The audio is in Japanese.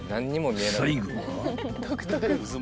［最後は］